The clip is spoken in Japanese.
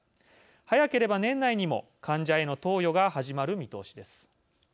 早ければ年内にも患者への投与が始まる見通しです。